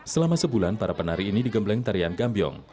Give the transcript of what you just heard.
selama sebulan para penari ini digembleng tarian gambiong